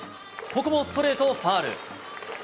ここもストレートをファウル。